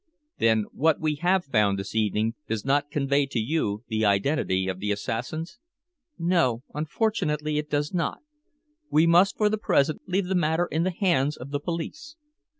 "Then what we have found this evening does not convey to you the identity of the assassins?" "No, unfortunately it does not. We must for the present leave the matter in the hands of the police."